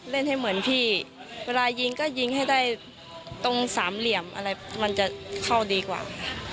เล่นให้เหมือนพี่เวลายิงก็ยิงให้ได้ตรงสามเหลี่ยมอะไรมันจะเข้าดีกว่า